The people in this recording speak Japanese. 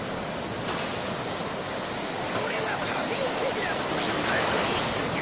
これはパフィオペディラムというランのいっしゅじゃ。